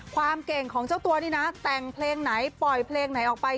ความเก่งของเจ้าตัวนี่นะแต่งเพลงไหนปล่อยเพลงไหนออกไป